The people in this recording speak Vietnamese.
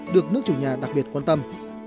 được nước chủ nhà đặc biệt quan tâm